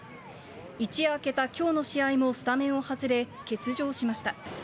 一夜明けたきょうの試合もスタメンを外れ、欠場しました。